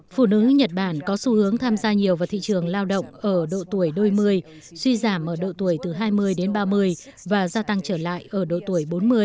phụ nữ nhật bản có xu hướng tham gia nhiều vào thị trường lao động ở độ tuổi đôi mươi suy giảm ở độ tuổi từ hai mươi đến ba mươi và gia tăng trở lại ở độ tuổi bốn mươi